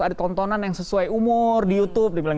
ada tontonan yang sesuai umur di youtube